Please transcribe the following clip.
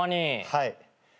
はい。